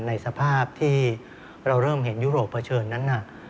ในสภาพที่เราเริ่มเห็นยุโรปเผชิญนั้นน่ะ